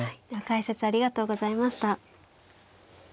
では解説ありがとうございました。